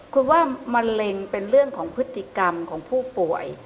คุณว่ามะเร็งเป็นเรื่องของพฤติกรรมของผู้ป่วย